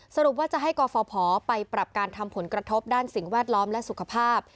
สรุปว่าจะให้กฟพไปปรับการทำผลกระทบด้านสิ่งแวดล้อมและสุขภาพ